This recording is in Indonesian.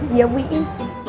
iya bu iin